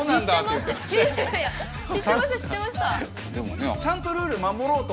知ってました。